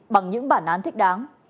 bằng những bản án thích đáng